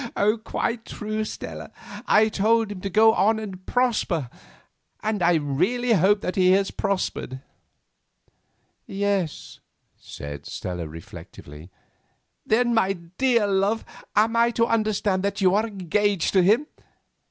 "Quite true, Stella; I told him to go on and prosper; and really I hope he has prospered." "Yes," said Stella reflectively. "Then, my dear love, am I to understand that you are engaged to him?"